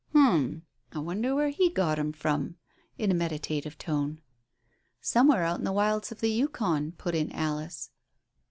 "Um! I wonder where he got him from," in a meditative tone. "Somewhere out in the wilds of the Yukon," put in Alice.